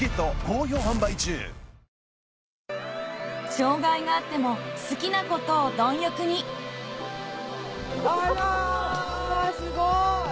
障害があっても好きなことを貪欲にあらわすごい！